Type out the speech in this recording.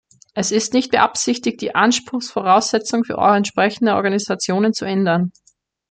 Es ist nicht beabsichtigt, die Anspruchsvoraussetzungen für entsprechende Organisationen zu ändern.